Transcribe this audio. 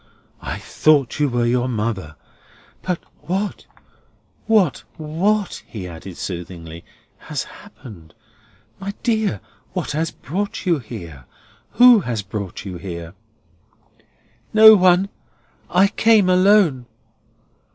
I thought you were your mother!—But what, what, what," he added, soothingly, "has happened? My dear, what has brought you here? Who has brought you here?" "No one. I came alone."